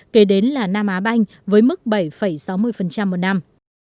kế đến là nam á banh với mức bảy sáu mươi một năm